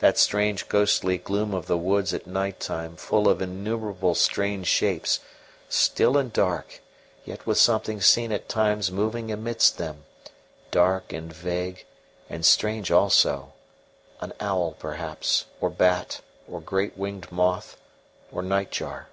That strange ghostly gloom of the woods at night time full of innumerable strange shapes; still and dark, yet with something seen at times moving amidst them, dark and vague and strange also an owl, perhaps, or bat, or great winged moth, or nightjar.